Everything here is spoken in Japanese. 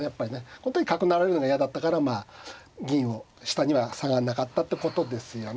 この時角成られるのが嫌だったからまあ銀を下には下がんなかったってことですよね。